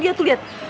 lihat tuh lihat